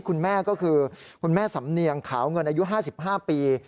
คุณแม่ก็คือคุณแม่สำเนียงขาวเงินอายุ๕๕ปี